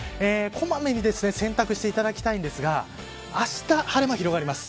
こまめに洗濯していただきたいんですがあした、晴れ間が広がります。